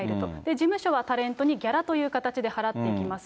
事務所はタレントにギャラという形で払っていきます。